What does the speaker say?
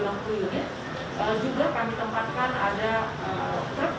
selain itu kami juga menambahkan kemampuan untuk memastikan pasokan bbm